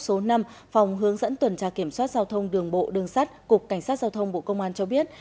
số năm phòng hướng dẫn tuần tra kiểm soát giao thông đường bộ đường sắt cục cảnh sát giao thông bộ công an cho biết